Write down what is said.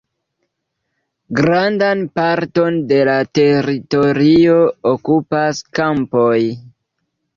Grandan parton de la teritorio okupas kampoj.